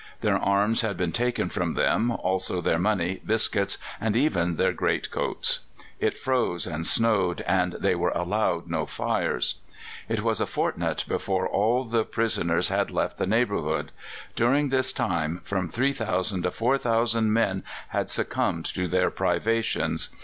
Their arms had been taken from them, also their money, biscuits, and even their great coats. It froze and snowed, and they were allowed no fires. It was a fortnight before all the prisoners had left the neighbourhood; during this time from 3,000 to 4,000 men had succumbed to their privations.